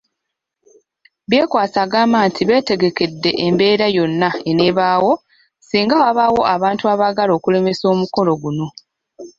Byekwaso agamba nti beetegekedde embeera yonna eneebaawo singa wabaayo abantu abaagala okulemesa omukolo guno.